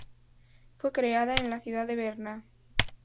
Fue creada en la ciudad de Berna.